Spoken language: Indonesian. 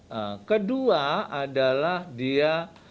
ya kedua adalah dia